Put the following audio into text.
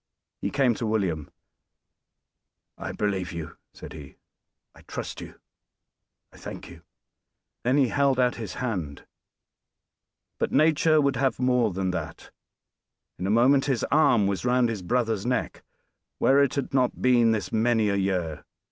He came to William, "I believe you," said he; "I trust you, I thank you." Then he held out his hand; but nature would have more than that, in a moment his arm was round his brother's neck, where it had not been, this many a year.